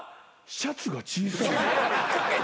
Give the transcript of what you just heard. シャツが小さ。